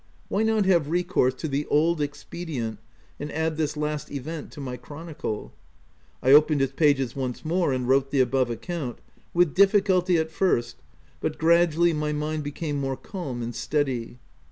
Why not have recourse to the old ex pedient, and add this last event to my chronicle ? I opened its pages once more, and wrote the above account — with difficulty, at first, but gradually my mind became more calm and steady.